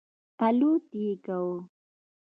الوت یې کاوه.